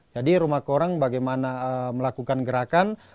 jadi rumah korang bagaimana melakukan gerakan